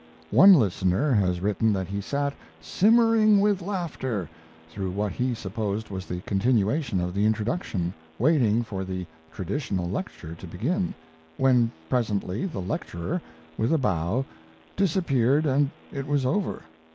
One listener has written that he sat "simmering with laughter" through what he supposed was the continuation of the introduction, waiting for the traditional lecture to begin, when presently the lecturer, with a bow, disappeared, and it was over.